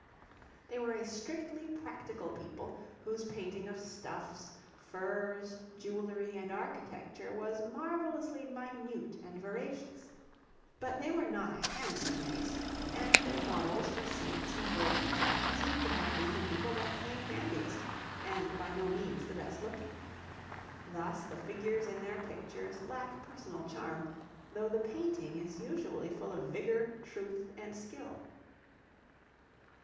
They were a strictly practical people whose painting of stuffs, furs, jewellery, and architecture was marvellously minute and veracious. But they were not a handsome race, and their models for saints and virgins seem to have been the people that came handiest and by no means the best looking. Thus the figures in their pictures lack personal charm, though the painting is usually full of vigour, truth, and skill.